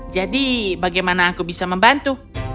jadi bagaimana aku bisa membantu